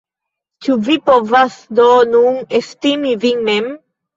Ĉu vi povas do nun estimi vin mem?